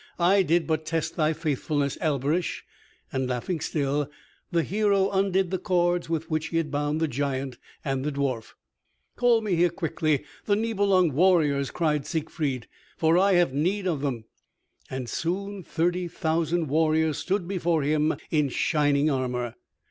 "I did but test thy faithfulness, Alberich," and laughing still, the hero undid the cords with which he had bound the giant and the dwarf. "Call me here quickly the Nibelung warriors," cried Siegfried, "for I have need of them." And soon thirty thousand warriors stood before him in shining armor.